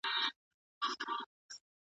د دنیا هستي لولۍ بولی یارانو `